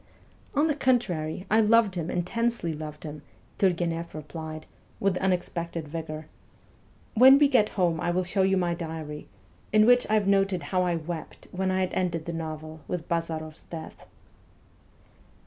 ' On the contrary, I loved him, intensely loved him,' T\irgueneff replied, with unexpected vigour. ' When we get home I will show you my diary, in which I have noted how I wept when I had ended the novel with Bazaroff 's death.'